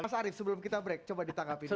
mas arief sebelum kita break coba ditangkapin dulu